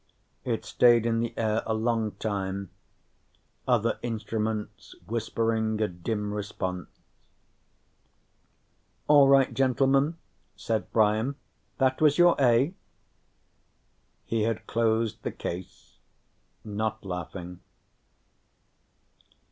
It stayed in the air a long time, other instruments whispering a dim response. "All right, gentlemen," said Brian. "That was your A." He had closed the case, not laughing.